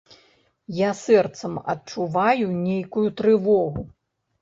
Я сэрцам адчуваю нейкую трывогу.